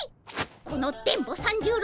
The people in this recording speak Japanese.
この電ボ三十郎